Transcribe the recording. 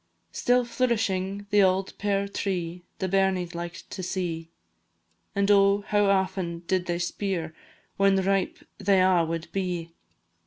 Still flourishing the auld pear tree The bairnies liked to see, And oh, how aften did they speir When ripe they a' wad be!